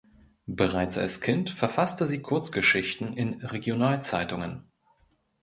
Bereits als Kind verfasste sie Kurzgeschichten in Regionalzeitungen.